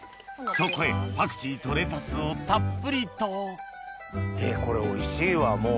そこへパクチーとレタスをたっぷりとこれおいしいわもう。